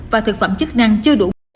và thực phẩm chức năng chưa đủ